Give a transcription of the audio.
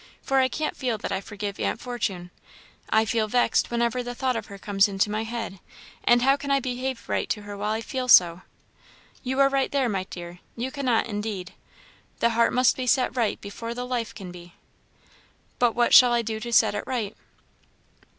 for I can't feel that I forgive Aunt Fortune; I feel vexed whenever the thought of her comes into my head; and how can I behave right to her while I feel so?" "You are right there, my dear; you cannot, indeed. The heart must be set right before the life can be." "But what shall I do to set it right?"